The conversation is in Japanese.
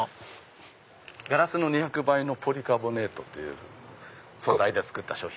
ガラスの２００倍のポリカーボネイトで作った商品。